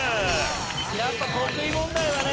やっぱ得意問題はね